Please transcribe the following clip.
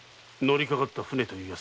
乗りかかった船だ。